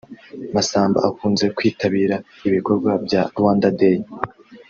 Masamba ukunze kwitabira ibikorwa bya Rwanda Day